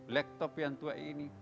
laptop yang tua ini